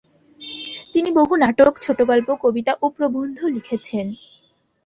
তিনি বহু নাটক, ছোটগল্প, কবিতা ও প্রবন্ধ লিখেছেন।